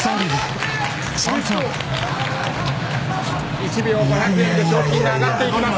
１秒５００円で賞金が上がっていきます。